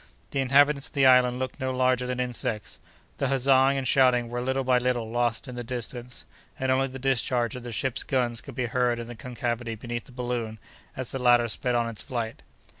The inhabitants of the island looked no larger than insects. The huzzaing and shouting were little by little lost in the distance, and only the discharge of the ship's guns could be heard in the concavity beneath the balloon, as the latter sped on its flight.